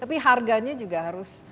tapi harganya juga harus